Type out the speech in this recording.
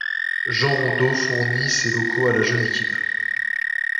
Jean Rondeau fournit ses locaux à la jeune équipe.